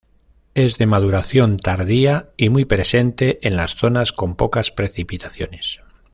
Es de maduración tardía y muy presente en las zonas con pocas precipitaciones.